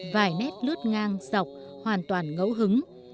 vài nét lướt ngang dọc hoàn toàn ngẫu hứng